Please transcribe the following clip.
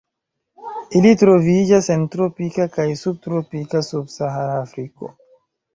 Ili troviĝas en tropika kaj subtropika sub-Sahara Afriko.